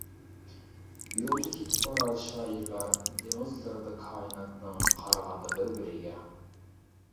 يولدا كېتىپ بارار شائىرلار دېڭىزلىرىدا كائىناتنىڭ قارىغاندا بىر-بىرىگە.